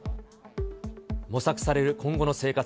模索される今後の生活。